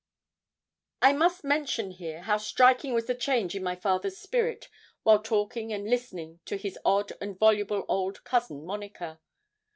I must mention here how striking was the change in my father's spirit while talking and listening to his odd and voluble old Cousin Monica.